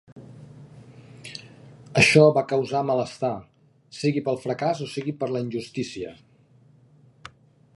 Això va causar malestar, sigui pel fracàs o sigui per la injustícia.